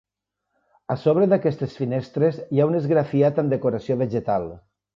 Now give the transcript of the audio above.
A sobre d'aquestes finestres hi ha un esgrafiat amb decoració vegetal.